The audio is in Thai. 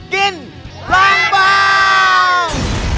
กินรางปัง